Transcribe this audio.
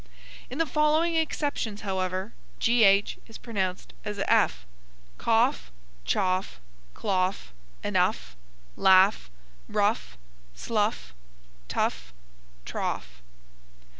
In the following exceptions, however, gh is pronounced as f: cough, chough, clough, enough, laugh, rough, slough, tough, trough.